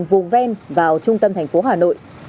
vùng ven vào trung tâm thành phố hà nội